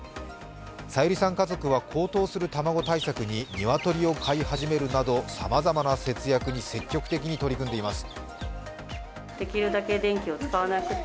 さゆりさん家族は高騰する卵対策にニワトリを飼い始めるなどさまざまな節約に積極的に取り組んでいます。